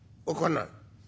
開かない。